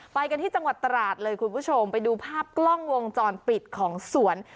ไปกันที่จังหวัดตราดเลยคุณผู้ชมไปดูภาพกล้องวงจรปิดของสวน